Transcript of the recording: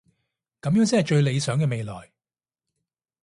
噉樣先係最理想嘅未來